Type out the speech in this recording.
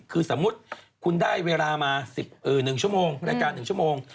คือสมมุติคุณได้เวลามา๑๑ชั่วโมงรายการ๑ชั่วโมง